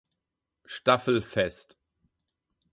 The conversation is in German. Staffel fest.